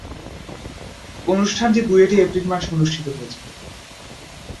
অনুষ্ঠানটি বুয়েটে এপ্রিল মাসে অনুষ্ঠিত হয়েছিলো।